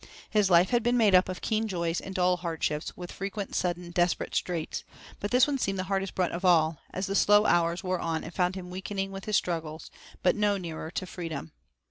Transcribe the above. His life had been made up of keen joys and dull hardships, with frequent sudden desperate straits, but this seemed the hardest brunt of all, as the slow hours wore on and found him weakening with his struggles, but no nearer to freedom.